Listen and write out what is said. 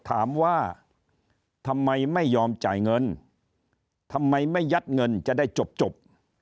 ถามว่าทำไมไม่ยอมจ่ายเงินทำไมไม่ยัดเงินจะได้จบ